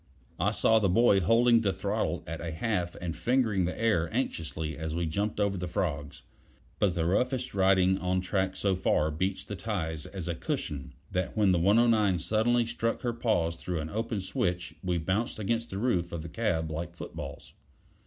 I saw the boy holding the throttle at a half and fingering the air anxiously as we jumped over the frogs; but the roughest riding on track so far beats the ties as a cushion, that when the 109 suddenly stuck her paws through an open switch we bounced against the roof of the cab like footballs.